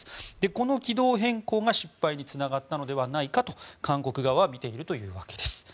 この軌道変更が失敗につながったのではないかと韓国側は見ているというわけです。